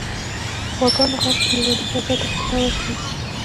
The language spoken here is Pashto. • د غواګانو ږغ کلیوالي فضا ته ښکلا ورکوي.